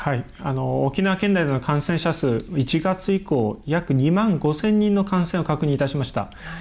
沖縄県内での感染者数、１月以降約２万５０００人の感染を確認いたしました。